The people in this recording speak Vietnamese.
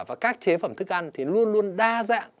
và các chế phẩm thức ăn thì luôn luôn đa dạng